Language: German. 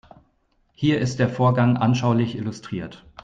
Hier ist der Vorgang anschaulich illustriert.